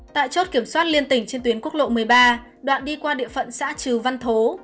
tại chốt kiểm soát liên tỉnh trên tuyến quốc lộ một mươi ba đoạn đi qua địa phận xã trừ văn thố